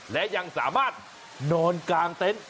และยังสามารถนอนกลางเต็นต์